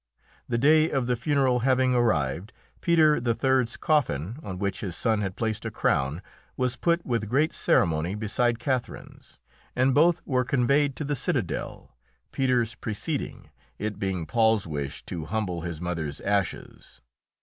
The day of the funeral having arrived, Peter III.'s coffin, on which his son had placed a crown, was put with great ceremony beside Catherine's, and both were conveyed to the Citadel, Peter's preceding, it being Paul's wish to humble his mother's ashes.